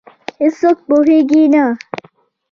هیڅوک پوهېږې نه،